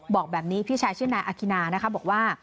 บอกแบบนี้พี่ชายชื่อนายอาคินานะคะบอกว่า